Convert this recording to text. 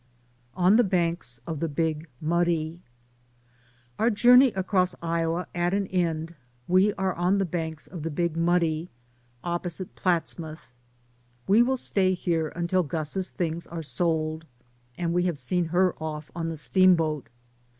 ON THE BANKS 01^ THE BIG MUDDY. Our journey across Iowa at an end, we are on the banks of the Big Muddy, opposite Platsmouth. We will stay here until Gus's things are sold, and we have seen her off on the steamboat.